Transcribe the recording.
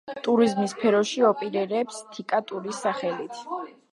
ტურიზმის სფეროში ოპერირებს „თიკა ტურის“ სახელით.